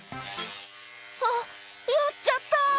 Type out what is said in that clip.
「あっやっちゃった！」